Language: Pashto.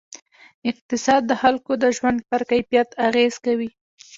اقتصاد د خلکو د ژوند پر کیفیت اغېز کوي.